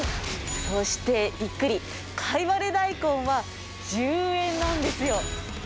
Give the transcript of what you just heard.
そしてびっくり、かいわれ大根は１０円なんですよ。